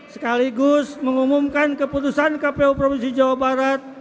sekaligus mengumumkan keputusan kpu provinsi jawa barat